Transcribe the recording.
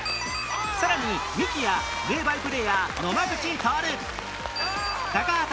さらにミキや名バイプレーヤー野間口徹高畑